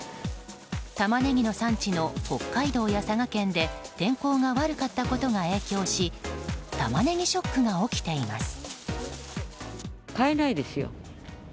タマネギの産地の北海道や佐賀県で天候が悪かったことが影響しタマネギショックが起きています。